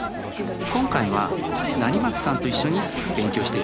今回は成松さんと一緒に勉強していきます。